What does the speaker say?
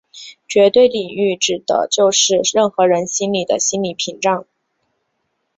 绝对领域指的就是任何人心里的心理屏障。